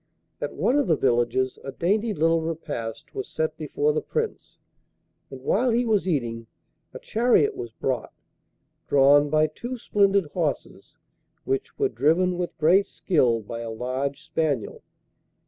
At one of the villages a dainty little repast was set before the Prince, and while he was eating, a chariot was brought, drawn by two splendid horses, which were driven with great skill by a large spaniel.